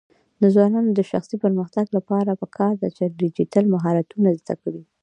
د ځوانانو د شخصي پرمختګ لپاره پکار ده چې ډیجیټل مهارتونه زده کړي.